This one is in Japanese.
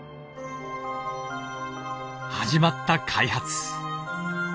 始まった開発。